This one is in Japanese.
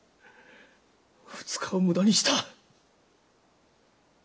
２日を無駄にした。